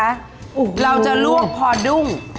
โอ้โหเราจะลวกพอดุ้ง